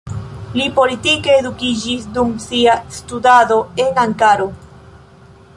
Li politike edukiĝis dum sia studado en Ankaro.